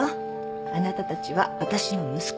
あなたたちは私の息子。